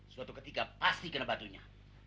suatu ketika pasti kena batunya